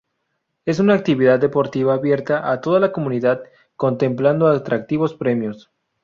Es una actividad deportiva abierta a toda la comunidad, contemplando atractivos premios.